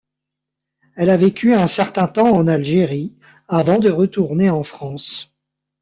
Elle a vécu un certain temps en Algérie, avant de retourner en France.